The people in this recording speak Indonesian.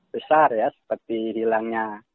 besar ya seperti hilangnya